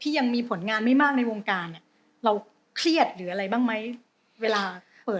ยังมีผลงานไม่มากในวงการเราเครียดหรืออะไรบ้างไหมเวลาเปิด